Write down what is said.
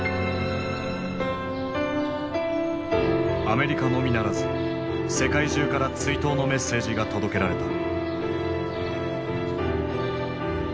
アメリカのみならず世界中から追悼のメッセージが届けられた。